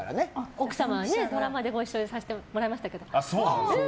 奥様はドラマでご一緒させてもらいましたけど。